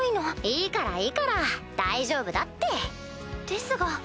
いいからいいから大丈夫だって。ですが。